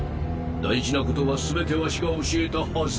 大事なことは全てワシが教えたはずだ！